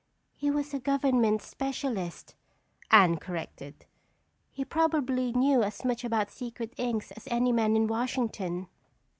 "He was a government specialist," Anne corrected; "He probably knew as much about secret inks as any man in Washington."